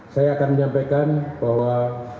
saya akan menyampaikan bahwa